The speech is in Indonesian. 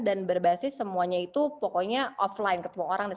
dan berbasis semuanya itu pokoknya offline